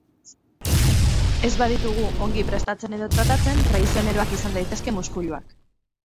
Ez baditugu ongi prestatzen edo tratatzen traizioneroak izan daitezke muskuiluak.